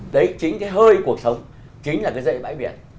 đấy chính cái hơi cuộc sống chính là cái dây bãi biển